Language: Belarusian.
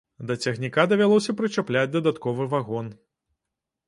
Да цягніка давялося прычапляць дадатковы вагон.